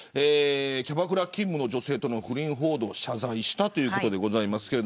キャバクラ勤務の女性との不倫報道を謝罪したということです。